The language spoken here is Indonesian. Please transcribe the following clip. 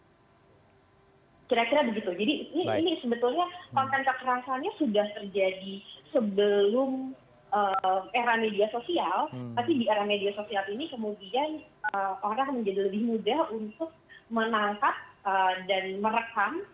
tapi di era media sosial ini kemudian orang menjadi lebih mudah untuk menangkap dan merekam